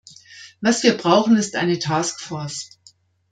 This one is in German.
Was wir brauchen, ist eine task force.